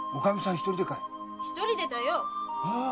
一人でだよ！